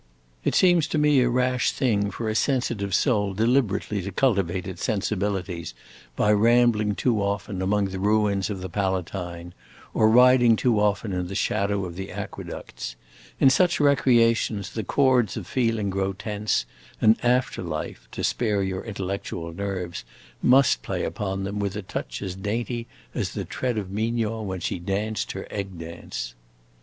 It seems to me a rash thing for a sensitive soul deliberately to cultivate its sensibilities by rambling too often among the ruins of the Palatine, or riding too often in the shadow of the aqueducts. In such recreations the chords of feeling grow tense, and after life, to spare your intellectual nerves, must play upon them with a touch as dainty as the tread of Mignon when she danced her egg dance."